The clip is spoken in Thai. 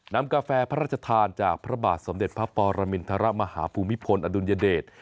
น้ำกาแฟประราชทานจากพระบาทสมเด็จพระปอร์ลามิณฑระมหาภูมิพลอดุลยเดช